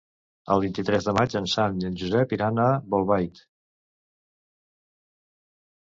El vint-i-tres de maig en Sam i en Josep iran a Bolbait.